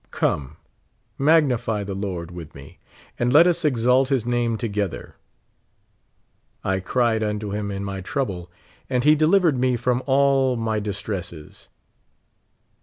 Come, magnify the Lord with me, and let us exalt his name together. I cried unto him in my trouble, and he delivered me from all my distresses.